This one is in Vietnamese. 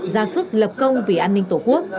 ra sức lập công vì an ninh tổ quốc